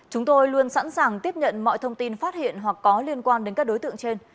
chúng tôi luôn sẵn sàng tiếp nhận mọi thông tin phát hiện hoặc có liên quan đến các đối tượng trên